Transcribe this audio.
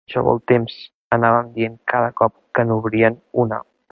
Això vol temps, anàvem dient cada cop que n'obríem una.